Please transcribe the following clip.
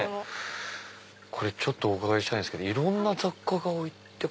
ちょっとお伺いしたいんですけどいろんな雑貨が置いて。